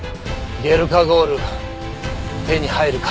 ゲルカゴール手に入るか？